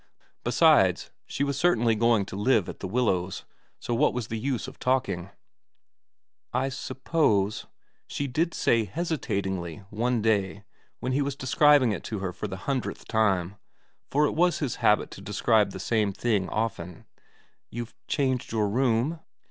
Besides, she was certainly going to 152 VERA xiv have to live at The Willows, so what was the use of talking ?' I suppose,' she did say hesitatingly one day when he was describing it to her for the hundredth time, for it was his habit to describe the same thing often, ' you've changed your room